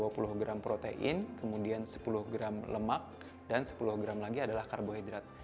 dua puluh gram protein kemudian sepuluh gram lemak dan sepuluh gram lagi adalah karbohidrat